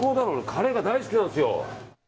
カレーが大好きなんですよ。